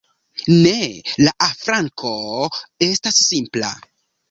Ne, la afranko estas simpla.